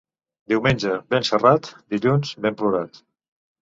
Diumenge, ben serrat; dilluns, ben plorat.